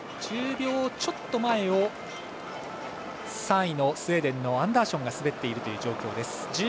１０秒ちょっと前を３位、スウェーデンのアンダーションが滑っているという状況です。